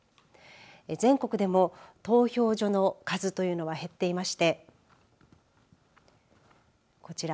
全国でも投票場の数というのは減っていましてこちら。